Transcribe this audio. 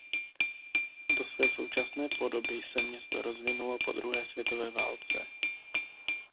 Do své současné podoby se město rozvinulo po druhé světové válce.